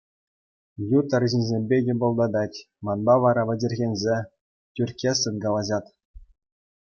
Ют арҫынсемпе йӑпӑлтатать, манпа вара вӗчӗрхенсе, тӳрккессӗн калаҫать.